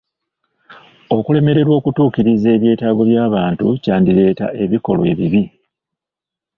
Okulemererwa okutuukiriza ebyetaago by'abantu kyandireeta ebikolwa ebibi.